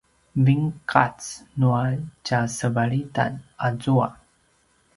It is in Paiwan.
vinqac nua tjasevalitan azua